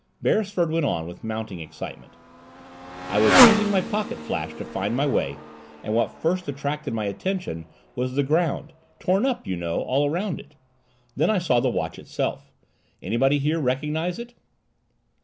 Beresford went on, with mounting excitement. "I was using my pocket flash to find my way and what first attracted my attention was the ground torn up, you know, all around it. Then I saw the watch itself. Anybody here recognize it?"